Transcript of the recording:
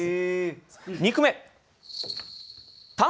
２句目。